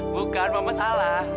bukan mama salah